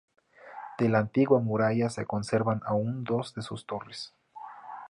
De la antigua muralla se conservan aún dos de sus torres.